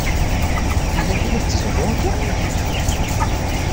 Fell-ak i la tetzuxxu akka?